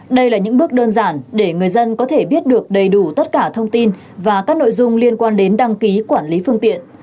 đây là những bước đơn giản để người dân có thể biết được đầy đủ tất cả thông tin và các nội dung liên quan đến đăng ký quản lý phương tiện